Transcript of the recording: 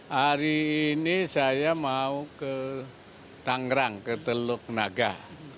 hari ini saya mau ke tangerang ke teluk nagah